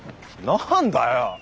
何だよ！